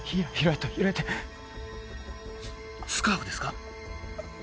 スカーフですか？